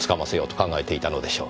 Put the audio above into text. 考えていたのでしょう。